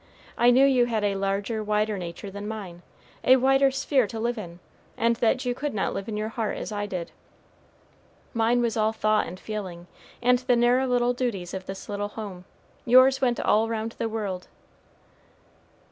I knew you had a larger, wider nature than mine, a wider sphere to live in, and that you could not live in your heart as I did. Mine was all thought and feeling, and the narrow little duties of this little home. Yours went all round the world."